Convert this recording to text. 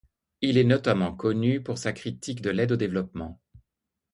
Il est notamment connu pour sa critique de l'aide au développement.